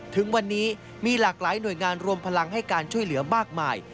ถึงวันนี้มีหลากหลายหน่วยงานรวมพลังให้การช่วยเหลือมากมาย